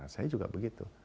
saya juga begitu